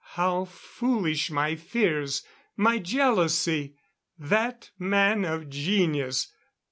How foolish my fears, my jealousy! That man of genius